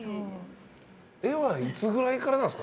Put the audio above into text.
絵はいつぐらいからなんですか？